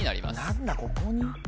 ・何だここに？